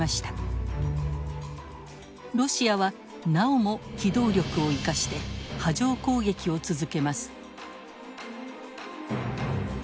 ロシアはなおも機動力を生かして波状攻撃を続けます。